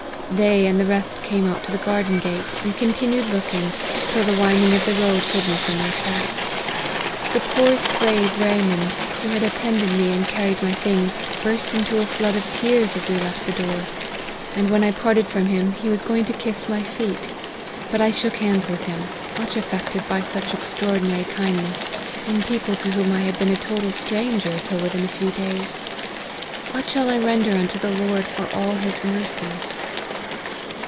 They and the rest came out to the garden gate, and continued looking, till the winding of the road hid me from their sight. The poor slave Raymond, who had attended me and carried my things, burst into a flood of tears, as we left the door ; and when I parted from him, he was going to kiss my feet ; but I shook hands with him, much affected by such extraordinary kindness, in people to whom I had F 62 me OF HENRY been a total stranger, till within a few days* What shall I render unto the Lord for all his mercies